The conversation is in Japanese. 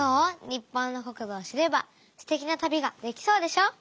日本の国土を知ればステキな旅ができそうでしょ。